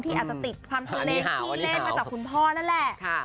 อาจจะติดความทะเลที่เล่นมาจากคุณพ่อนั่นแหละ